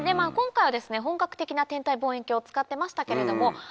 今回は本格的な天体望遠鏡を使ってましたけれども。